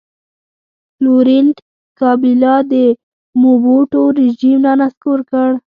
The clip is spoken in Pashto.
لورینټ کابیلا د موبوټو رژیم را نسکور کړ.